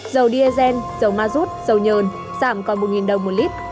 dầu diesel dầu ma rút dầu nhờn giảm còn một đồng một lít